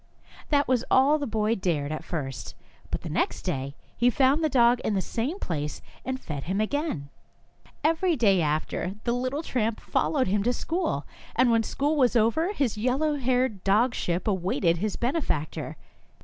That was all the boy dared at first, but the next day he found the dog in the same place and fed him again. Every day after that the little tramp followed him to school, and when school was over his yellow haired dogship awaited his benefactor.